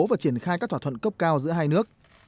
và triển khai các thỏa thuận cấp cao giữa hai nước